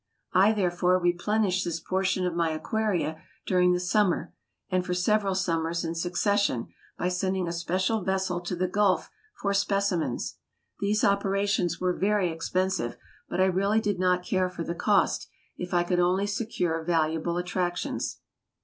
I, therefore, replenished this portion of my aquaria during the summer, and for several summers in succession, by sending a special vessel to the Gulf for specimens. These operations were very expensive, but I really did not care for the cost, if I could only secure valuable attractions.